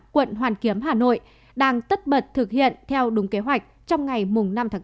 quận hoàn kiếm hà nội đang tất bật thực hiện theo đúng kế hoạch trong ngày năm tháng bốn